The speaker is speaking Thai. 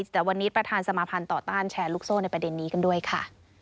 แต่วันนี้ประธานสมาภัณฑ์ต่อต้านแชร์ลูกโซ่ในประเด็นนี้กันด้วยค่ะ